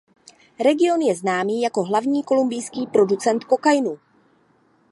Region je známý jako hlavní kolumbijský producent kokainu.